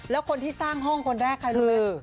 แล้วคนที่สร้างห้องคนแรกใครรู้ไหม